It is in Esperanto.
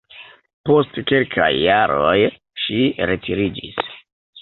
Post kelkaj jaroj ŝi retiriĝis.